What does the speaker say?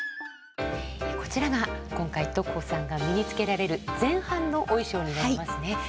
こちらが今回徳穂さんが身に着けられる前半のお衣裳になりますね。